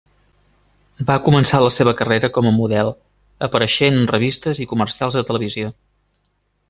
Va començar la seva carrera com a model, apareixent en revistes i comercials de televisió.